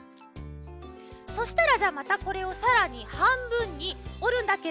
そしたらじゃあまたこれをさらにはんぶんにおるんだけどね